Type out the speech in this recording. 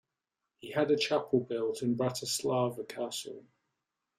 He had a chapel built in Bratislava Castle.